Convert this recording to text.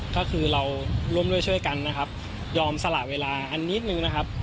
ก็คือเราร่วมด้วยช่วยกันนะครับยอมสละเวลาอันนิดนึงนะครับ